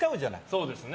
そうですね。